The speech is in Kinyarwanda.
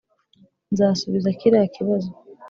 nzasubiza kiriya kibazo